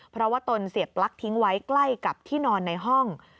เพราะว่าตนเสียบปลั๊กทิ้งไว้ใกล้กับที่นอนในห้อง